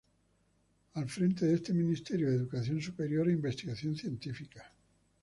Al frente esta el Ministerio de Educación Superior e Investigación Científica.